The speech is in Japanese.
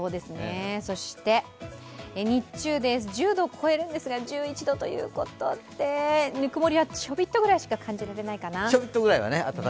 そして日中です、１０度を超えるんですが１１度ということでぬくもりはちょびっとぐらいしか感じられないかな。